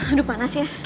aduh panas ya